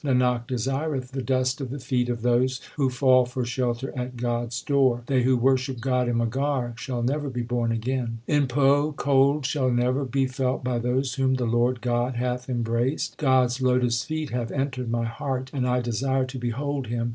Nanak desireth the dust of the feet of those who fall for shelter at God s door. They who worship God in Maghar shall never be born again. In Poh cold shall never be felt by those whom the Lord God hath embraced. God s lotus feet have entered my heart, and I desire to behold Him.